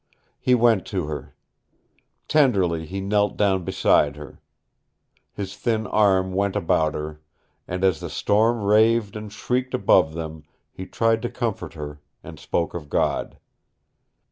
He went to her. Tenderly he knelt down beside her. His thin arm went about her, and as the storm raved and shrieked above them he tried to comfort her and spoke of God.